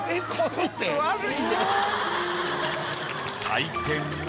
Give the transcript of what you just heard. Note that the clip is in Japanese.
採点は。